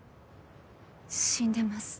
死んでます。